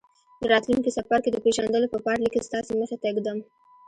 د راتلونکي څپرکي د پېژندلو په پار ليک ستاسې مخې ته ږدم.